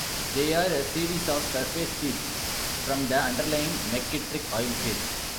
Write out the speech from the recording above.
They are a series of surface seeps from the underlying McKittrick Oil Field.